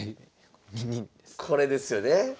これですよね。